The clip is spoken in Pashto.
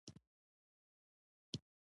د پیرودونکي خوښي د انسان بری ده.